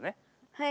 はい。